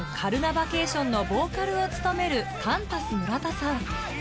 バケーションのボーカルを務めるカンタス村田さん